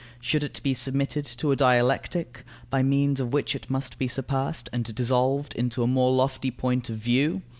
Should it be submitted to a dialectic, by means of which it must be surpassed and dissolved into a more lofty point of view?